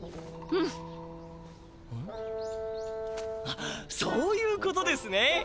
あっそういうことですね！